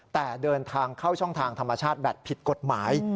แต่เดินทางเข้าช่องทางธรรมชาติแบบผิดกฎหมาย